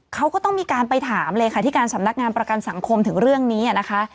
เขาก็ต้องมีการไปถามเลยค่ะที่การสำนักงานประกันสังคมถึงเรื่องนี้นะคะ